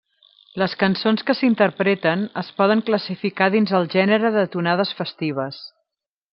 Les cançons que s’hi interpreten es poden classificar dins el gènere de tonades festives.